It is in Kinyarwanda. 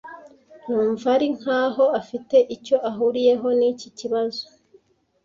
Numva ari nkaho afite icyo ahuriyeho niki kibazo.